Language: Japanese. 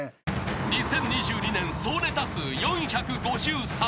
［２０２２年総ネタ数４５３］